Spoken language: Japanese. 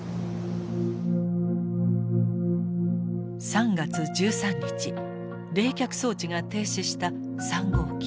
３月１３日冷却装置が停止した３号機。